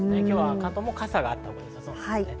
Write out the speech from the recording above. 関東も傘があったほうがよさそうです。